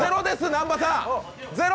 南波さん！